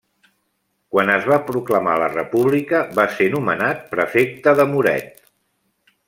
Quan es va proclamar la República va ser nomenat prefecte de Muret.